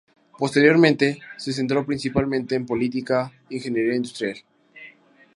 Posteriormente se centró principalmente en política e ingeniería industrial.